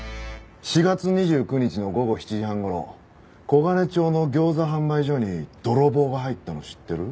４月２９日の午後７時半頃黄金町の餃子販売所に泥棒が入ったの知ってる？